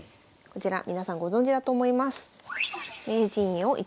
こちら皆さんご存じだと思います。